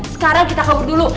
sekarang kita kabur dulu